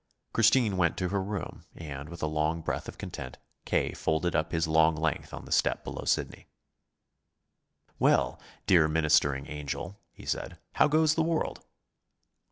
Christine went to her room, and, with a long breath of content, K. folded up his long length on the step below Sidney. "Well, dear ministering angel," he said, "how goes the world?"